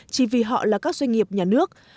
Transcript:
chỉ vì họ là các doanh nghiệp nhà nước